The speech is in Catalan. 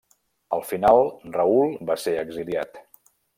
Al final Raül va ser exiliat.